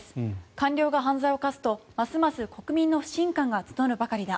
官僚が犯罪を犯すとますます国民の不信感が募るばかりだ。